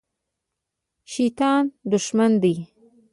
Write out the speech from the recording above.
شیطان دښمن دی